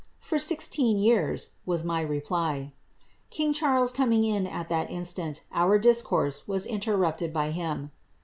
' For sixteen years,' was my reply. King Charles coming in at that instant, our discourse was interrupted by him.